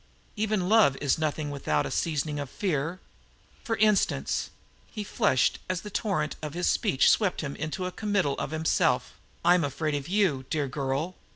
Even love is nothing without a seasoning of fear. For instance" he flushed as the torrent of his speech swept him into a committal of himself "I am afraid of you, dear girl.